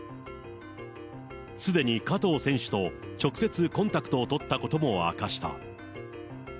すでに加藤選手と直接コンタクトを取ったことも明かした。